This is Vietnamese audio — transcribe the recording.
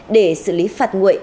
để xử lý phạt nguội